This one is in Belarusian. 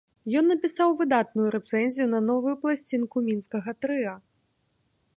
Ён напісаў выдатную рэцэнзію на новую пласцінку мінскага трыа.